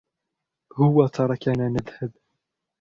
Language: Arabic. هو تركنا نذهب.